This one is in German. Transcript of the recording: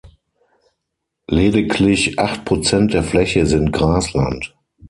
Lediglich acht Prozent der Fläche sind Grasland.